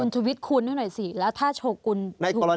คุณชุมิตคุณด้วยหน่อยสิแล้วถ้าโชคุณถูกดำเนินคดีเนี่ย